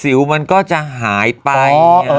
มันก็จะหายไป